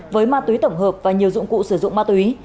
với ma túy tổng hợp và nhiều dụng cụ sử dụng ma túy